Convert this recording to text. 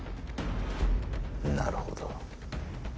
なるほど。